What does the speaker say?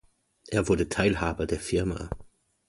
Er wurde Teilhaber der Firma.